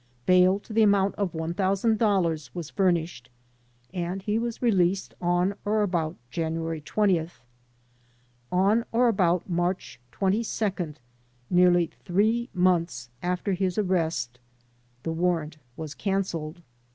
Bail to the amount of $1,000 was fur ' nished and he was released on or about January 20th. On or about March 22nd, nearly three months after his arrest, the warrant was cancelled.